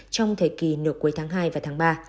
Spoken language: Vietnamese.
trong thời kỳ nửa cuối tháng hai và tháng ba